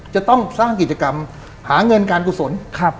จะต้องสร้างกิจกรรมหาเงินการกุศล